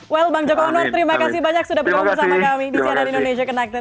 well bang joko anwar terima kasih banyak sudah berkomunikasi sama kami di channel indonesia connected